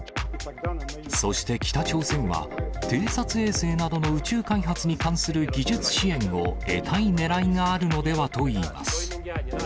そして北朝鮮は、偵察衛星などの宇宙開発に関する技術支援を得たいねらいがあるのではといいます。